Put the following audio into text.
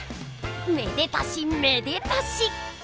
めでたしめでたし！